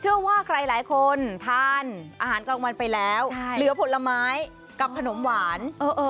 เชื่อว่าใครหลายคนทานอาหารกลางวันไปแล้วเหลือผลไม้กับขนมหวาน